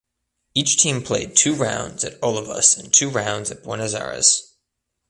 Each team played two rounds at Olivos and two rounds at Buenos Aires.